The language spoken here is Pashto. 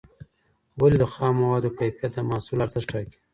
ولي د خامو موادو کیفیت د محصول ارزښت ټاکي؟